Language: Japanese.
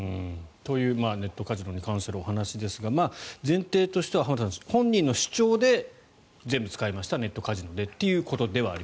というネットカジノに関するお話ですが前提としては浜田さん本人の主張で全部ネットカジノで使いましたと。